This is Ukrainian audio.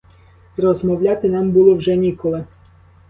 Розмовляти нам було вже ніколи.